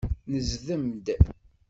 Nezdem-d.